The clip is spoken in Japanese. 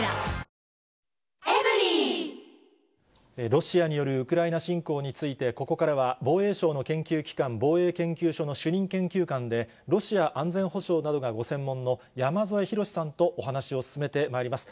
ロシアによるウクライナ侵攻について、ここからは、防衛省の研究機関、防衛研究所の主任研究官で、ロシア安全保障などがご専門の山添博史さんとお話を進めてまいります。